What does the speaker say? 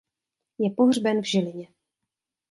Je pohřben v Žilině.